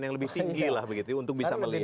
yang lebih tinggi lah begitu ya untuk bisa melihat